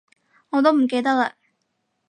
我都唔記得喇